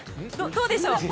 どうでしょう？